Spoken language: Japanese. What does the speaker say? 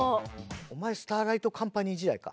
お前スターライトカンパニー時代か。